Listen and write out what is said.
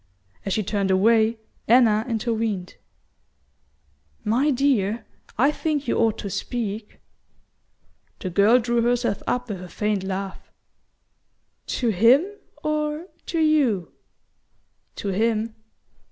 As she turned away, Anna intervened. "My dear, I think you ought to speak." The girl drew herself up with a faint laugh. "To him or to YOU?" "To him."